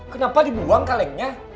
kenapa dibuang kalengnya